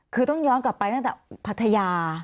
คือต้องย้อนกลับไปตั้งแต่พัทยา